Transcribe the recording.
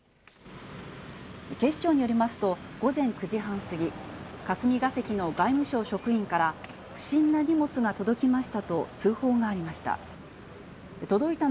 警視庁によりますと、午前９時半過ぎ、霞が関の外務省職員から、不審な荷物が届きましたと通報がありました。